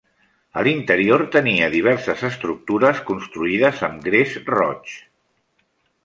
A l'interior tenia diverses estructures construïdes amb gres roig.